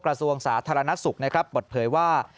กระทรวงสาธารณสุขบดเผยว่า